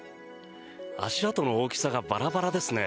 足跡の大きさがバラバラですね。